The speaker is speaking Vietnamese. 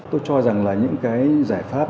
tôi cho rằng là những cái giải pháp